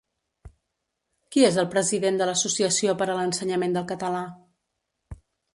Qui és el president de l'Associació per a l'Ensenyament del Català?